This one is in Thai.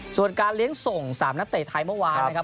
ส่วนการเลี้ยงส่ง๓นักเตะไทยเมื่อวานนะครับ